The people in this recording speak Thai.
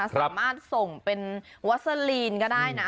สามารถส่งเป็นวาซาลินได้นะ